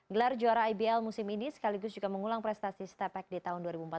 gelar juara ibl musim ini sekaligus juga mengulang prestasi stepak di tahun dua ribu empat belas